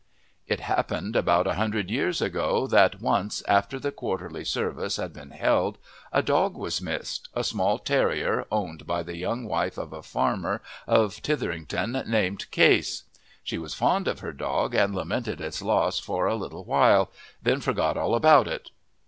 It happened about a hundred years ago that once, after the quarterly service had been held, a dog was missed, a small terrier owned by the young wife of a farmer of Tytherington named Case. She was fond of her dog, and lamented its loss for a little while, then forgot all about it.